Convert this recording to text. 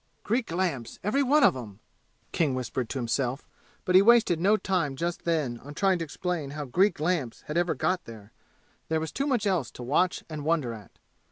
"Greek lamps, every one of 'em!" King whispered to himself, but he wasted no time just then on trying to explain how Greek lamps had ever got there. There was too much else to watch and wonder at.